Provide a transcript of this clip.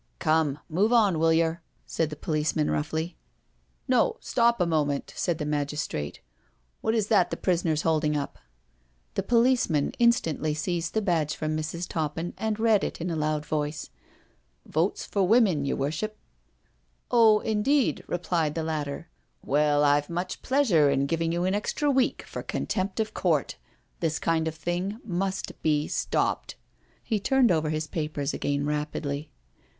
" Come, move on, will yer?" said the policeman roughly. "No, stop a moment," said the magistrate; "what is that the prisoner is holding up?" The policeman instantly seized the badge from Mrs. Toppin, and read in a loud voice: "' Votes for Women,' yer Worship.'^ " Oh, indeed," replied the latter. " Well, I've much pleasure in giving you an extra week for contempt of court. This kind of thing must be stopped." He turned over his papers again rapidly.